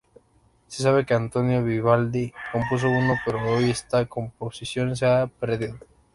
Se sabe que Antonio Vivaldi compuso uno, pero hoy esta composición se ha perdido.